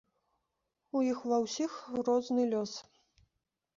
У іх ва ўсіх розны лёс.